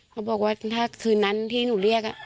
เขาบอกว่าถ้าคืนนั้นที่หนูเรียก